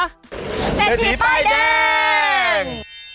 เศรษฐีป้ายแดง